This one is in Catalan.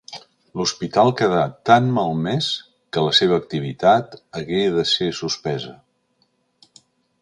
L'hospital quedà tan malmès que la seva activitat hagué de ser suspesa.